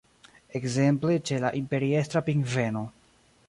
Ekzemple ĉe la Imperiestra pingveno.